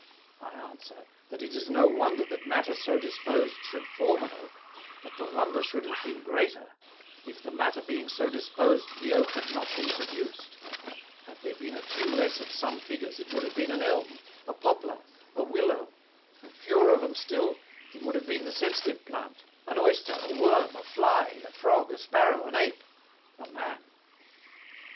I answer, That it is no wonder that Matter so disposed should form an Oak, but the wonder would have been greater, if the Matter being so disposed the Oak had not been produced; had there been a few less of some Figures, it would have been an Elm, a Poplar, a Willow; and fewer of 'em still, it would have been the Sensitive Plant, an Oyster, a Worm, a Flie, a Frog, a Sparrow, an Ape, a Man.